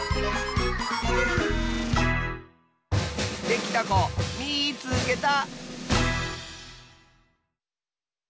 できたこみいつけた！